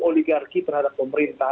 oligarki terhadap pemerintah